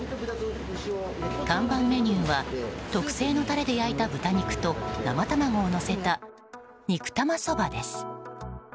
看板メニューは特製のタレで焼いた豚肉と生卵をのせた肉玉そばです。